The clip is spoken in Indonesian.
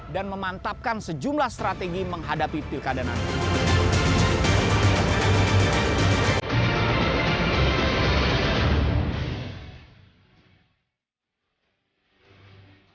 dan memantapkan sejumlah strategi menghadapi pilkada nanti